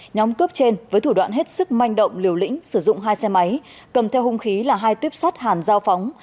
nhóm cướp trên với thủ đoạn hết sức manh động liều lĩnh sử dụng hai xe máy cầm theo hung khí là hai tuyếp sắt hàn giao phóng